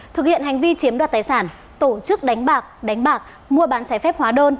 thực hiện hành vi chiếm đoạt tài sản tổ chức đánh bạc đánh bạc mua bán trái phép hóa đơn